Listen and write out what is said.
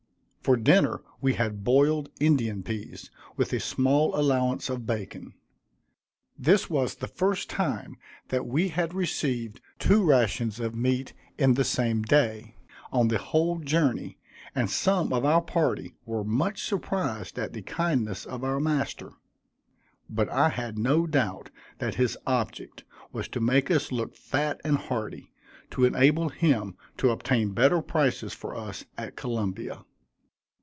For dinner we had boiled Indian peas, with a small allowance of bacon. This was the first time that we had received two rations of meat in the same day, on the whole journey, and some of our party were much surprised at the kindness of our master; but I had no doubt that his object was to make us look fat and hearty, to enable him to obtain better prices for us at Columbia.